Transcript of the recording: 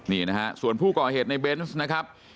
นี่นะฮะส่วนผู้ก่อเหตุในเบนส์นะครับ